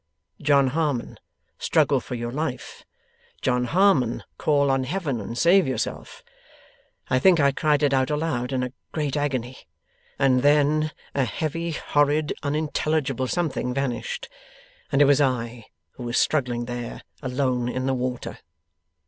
John Harmon, struggle for your life. John Harmon, call on Heaven and save yourself!" I think I cried it out aloud in a great agony, and then a heavy horrid unintelligible something vanished, and it was I who was struggling there alone in the water.